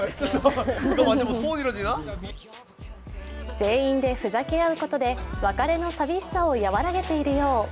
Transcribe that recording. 全員でふざけ合うことで別れの寂しさを和らげているよう。